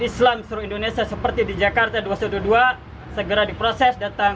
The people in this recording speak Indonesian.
islam seluruh indonesia seperti di jakarta dua ratus dua puluh dua